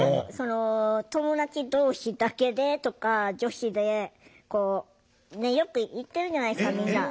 友達同士だけでとか女子でこうよく行ってるじゃないですかみんな。